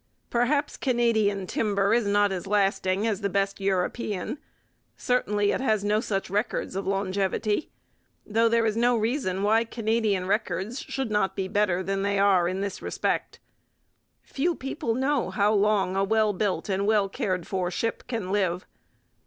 Perhaps Canadian timber is not as lasting as the best European. Certainly it has no such records of longevity; though there is no reason why Canadian records should not be better than they are in this respect. Few people know how long a well built and well cared for ship can live.